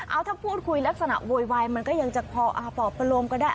เอาถ้าพูดคุยลักษณะโวยวายมันก็ยังจะพอปอบประโลมก็ได้